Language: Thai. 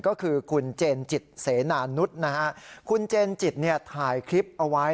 ก็คือคุณเจนจิตเสนานุษย์นะฮะคุณเจนจิตเนี่ยถ่ายคลิปเอาไว้